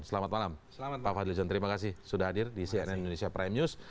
selamat malam pak fadlizon terima kasih sudah hadir di cnn indonesia prime news